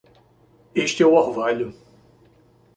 Este é o orvalho.